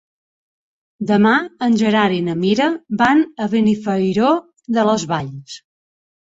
Demà en Gerard i na Mira van a Benifairó de les Valls.